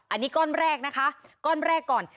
อันนี้ก้อนแรกนะคะก้อนแรกก่อน